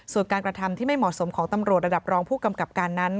ส่วนการกระทำที่ไม่เหมาะสมของตำรวจระดับรองผู้กำกับการนั้น